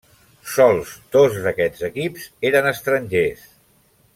Sols dos d'aquests equips eren estrangers.